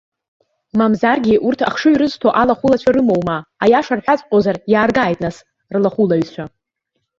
Мамзаргьы урҭ, ахшыҩ рызҭо алахәылацәа рымоума? Аиаша рҳәаҵәҟьозар, иааргааит нас рлахәылаҩцәа!